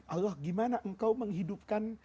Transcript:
allah gimana engkau menghidupkan